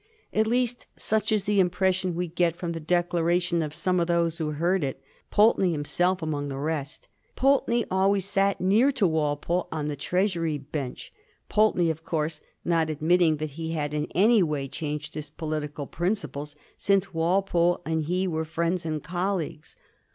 At least such is the impression we get from the declaration of some of those who heard it, Pulteney himself among the rest. Pulteney always sat near to Walpole on the Treasury bench ; Pulteney, of course, not admitting that he had in any way changed his political principles since Walpole and he were friends and colleagues.